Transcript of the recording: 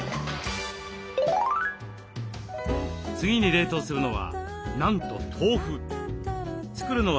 次に冷凍するのはなんと豆腐。